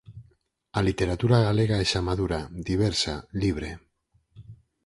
A literatura galega é xa madura, diversa, libre.